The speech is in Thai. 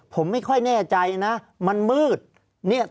ภารกิจสรรค์ภารกิจสรรค์